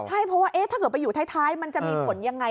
ใช่เพราะว่าถ้าเกิดไปอยู่ท้ายมันจะมีผลยังไง